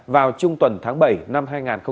vào trung tuần tháng bảy năm hai nghìn hai mươi